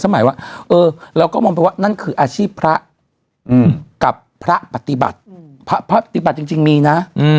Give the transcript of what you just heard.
หมายว่าเออเราก็มองไปว่านั่นคืออาชีพพระกับพระปฏิบัติพระปฏิบัติจริงมีนะ